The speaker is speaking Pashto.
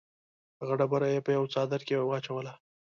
هغه ډبره یې په یوه څادر کې واچوله.